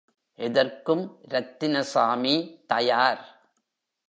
எதற்கும் ரத்தினசாமி தயார்.